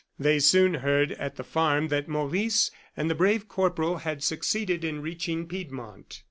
They soon heard at the farm that Maurice and the brave corporal had succeeded in reaching Piedmont.